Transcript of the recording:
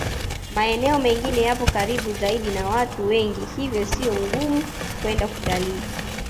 Maeneo mengine yapo karibu zaidi na watu wengi hivyo sio ngumu kwenda kutalii